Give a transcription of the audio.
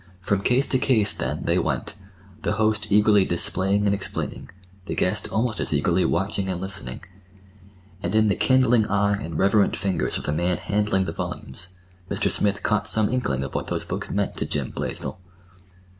From case to case, then, they went, the host eagerly displaying and explaining, the guest almost as eagerly watching and listening. And in the kindling eye and reverent fingers of the man handling the volumes, Mr. Smith caught some inkling of what those books meant to Jim Blaisdell.